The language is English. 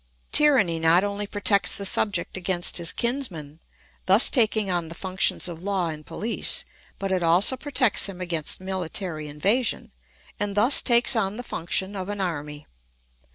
] Tyranny not only protects the subject against his kinsmen, thus taking on the functions of law and police, but it also protects him against military invasion, and thus takes on the function of an army.